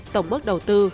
tổng mức đầu tư